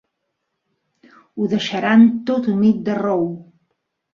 Ho deixaran tot humit de rou.